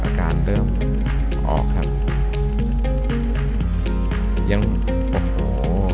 อาการเริ่มออกครับยังโอ้โห